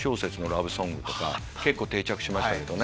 結構定着しましたけどね。